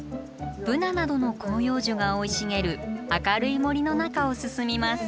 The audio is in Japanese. ブナなどの広葉樹が生い茂る明るい森の中を進みます。